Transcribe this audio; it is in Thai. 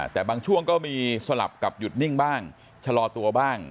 แต่บางช่วงก็มีสลับกับหยุดนิ่งบ้างชะลอตัวบ้าง